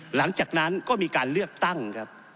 หลังจากนั้นก็มีการเลือกตั้งครับ